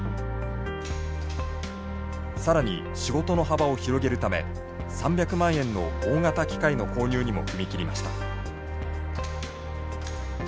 更に仕事の幅を広げるため３００万円の大型機械の購入にも踏み切りました。